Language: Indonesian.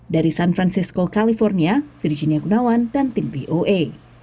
dari san francisco california virginia gunawan dan tim voa